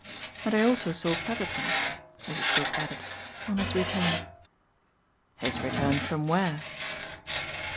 And I also saw Petherton," Mrs. Brook added, "on his return." "His return from where?"